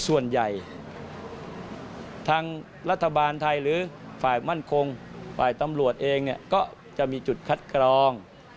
ส่วนใหญ่ทางรัฐบาลไทยหรือฝ่ายมั่นคงฝ่ายตำรวจเองเนี่ยก็จะมีจุดคัดกรอง